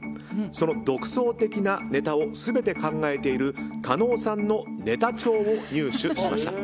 その独創的なネタを全て考えている加納さんのネタ帳を入手しました。